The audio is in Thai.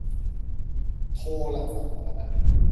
โทรศัพท์มรณะ